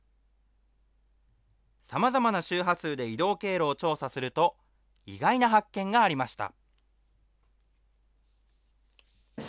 さまざまな周波数で移動経路を調査すると、意外な発見がありました。